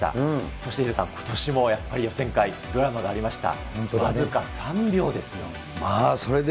そしてヒデさん、ことしもやっぱり予選会、ドラマがありました。